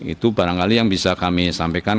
itu barangkali yang bisa kami sampaikan